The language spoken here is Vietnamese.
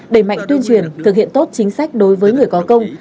đẩy mạnh tuyên truyền thực hiện tốt chính sách đối với người có công